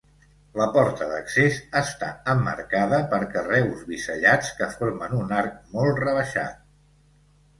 La porta d'accés està emmarcada per carreus bisellats que formen un arc molt rebaixat.